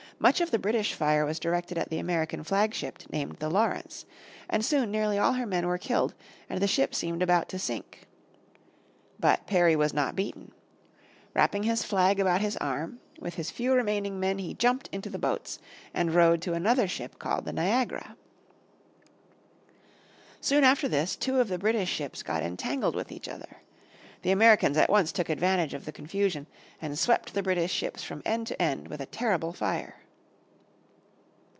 Much of the British fire was directed at the American flag ship named the Lawrence, and soon nearly all her men were killed, and the ship seemed about to sink. But Perry was not beaten. Wrapping his flag about his arm, with his few remaining men he jumped into the boats, and rowed to another ship called the Niagara. Soon after this, two of the British ships got entangled with each other. The Americans at once took advantage of the confusion and swept the British ships from end to end with a terrible fire.